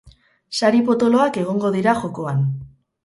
Sari potoloak egongo dira jokoan.